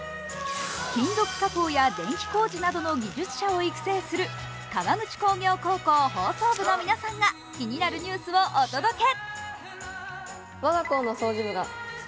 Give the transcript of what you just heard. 金属加工や電気工事などの技術者を育成する川口工業高校放送部の皆さんが気になるニュースをお届け。